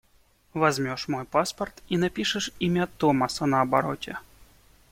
Возьмешь мой паспорт и напишешь имя Томаса на обороте.